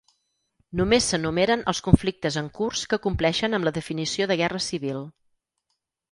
Només s'enumeren els conflictes en curs que compleixen amb la definició de guerra civil.